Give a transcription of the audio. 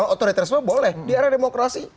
otoritas semua boleh di area demokrasi